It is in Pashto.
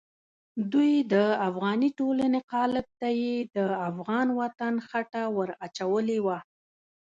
دوی د افغاني ټولنې قالب ته یې د افغان وطن خټه ور اچولې وه.